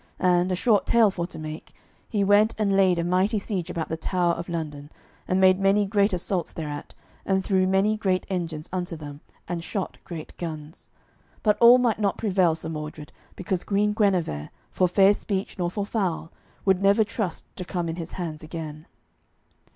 And, a short tale for to make, he went and laid a mighty siege about the Tower of London, and made many great assaults thereat, and threw many great engines unto them, and shot great guns. But all might not prevail Sir Mordred, because Queen Guenever, for fair speech nor for foul, would never trust to come in his hands again.